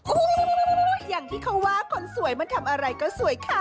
โอ้โหอย่างที่เขาว่าคนสวยมันทำอะไรก็สวยค่ะ